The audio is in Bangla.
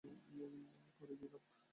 করে কী লাভ?